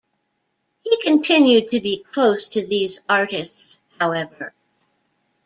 He continued to be close to these artists, however.